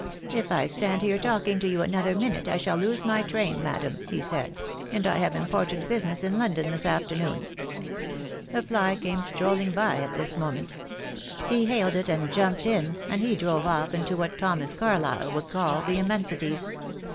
'If I stand here talking to you another minute I shall lose my train, madam,' he said, ' and I have important business in London this afternoon.' A fly came strolling by at this moment. He hailed it and jumped in, and he drove off into what Thomas Carlyle would call the Im mensities.